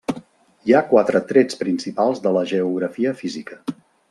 Hi ha quatre trets principals de la geografia física.